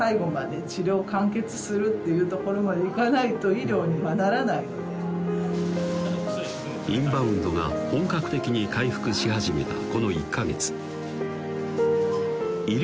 医療者としてインバウンドが本格的に回復し始めたこの１か月医療